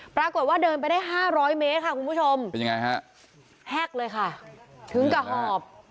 ปรากฏว่าเดินไปได้๕๐๐เมตรค่ะคุณผู้ชมแฮกเลยค่ะถึงกระหอบ